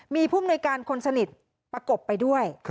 มีผู้มนุยการคนสนิทประกบไปด้วย